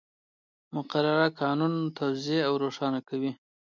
مقرره قانون توضیح او روښانه کوي.